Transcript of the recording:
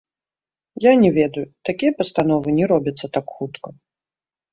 Я не ведаю, такія пастановы не робяцца так хутка.